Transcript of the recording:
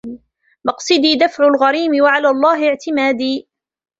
مقصدي دفع الغريم وعلى الله اعتمادي